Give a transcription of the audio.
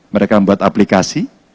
mereka membuat aplikasi